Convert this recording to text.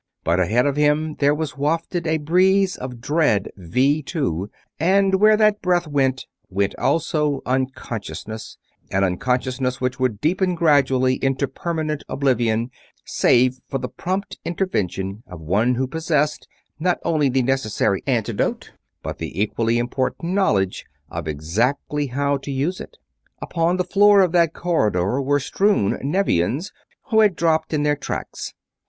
But ahead of him there was wafted a breath of dread Vee Two, and where that breath went, went also unconsciousness an unconsciousness which would deepen gradually into permanent oblivion save for the prompt intervention of one who possessed, not only the necessary antidote, but the equally important knowledge of exactly how to use it. Upon the floor of that corridor were strewn Nevians, who had dropped in their tracks.